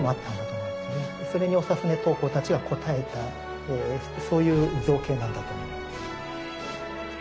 それに長船刀工たちは応えたそういう造形なんだと思います。